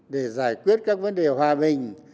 để giải quyết các vấn đề hòa bình